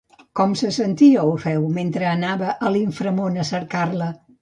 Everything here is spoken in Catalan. Com se sentia Orfeu mentre anava a l'inframon a cercar-la?